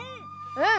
うん！